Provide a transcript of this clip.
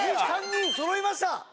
３人そろいました！